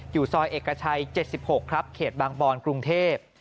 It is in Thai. อยู่ซอยเอกชัย๗๖ครับเขตบางบอนกรุงเทพ